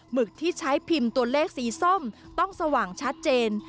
หึกที่ใช้พิมพ์ตัวเลขสีส้มต้องสว่างชัดเจน